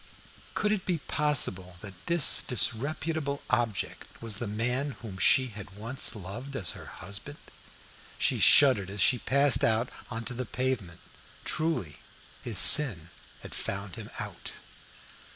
Could it be possible that this disreputable object was the man whom she had once loved as her husband? She shuddered as she passed out on to the pavement. Truly, his sin had found him out.